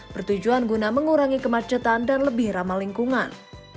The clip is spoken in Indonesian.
bertujuan guna mengurangi kemacetan dan lebih ramah lingkungan